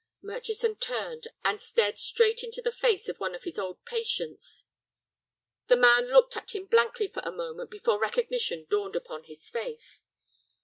Murchison turned, and stared straight into the face of one of his old patients. The man looked at him blankly for a moment before recognition dawned upon his face.